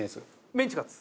メンチカツ。